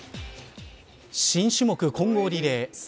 新種目、混合リレー。